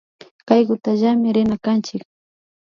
Kaykutallami rina kanchik